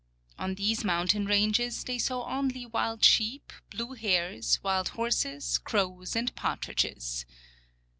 On these mountain ranges they saw only wild sheep, blue hares, wild horses, crows and partridges.